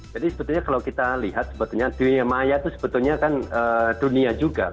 jadi sebetulnya kalau kita lihat dunia maya itu sebetulnya kan dunia juga